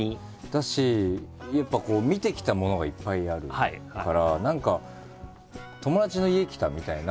だしやっぱこう見てきたものがいっぱいあるから何か友達の家来たみたいな。